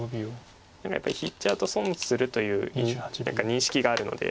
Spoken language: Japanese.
やっぱり引いちゃうと損するという何か認識があるので。